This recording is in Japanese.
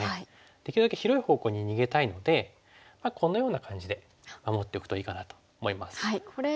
できるだけ広い方向に逃げたいのでこのような感じで守っておくといいかなと思います。